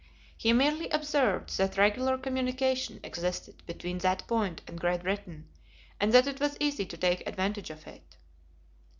He merely observed that regular communication existed between that point and Great Britain, and that it was easy to take advantage of it.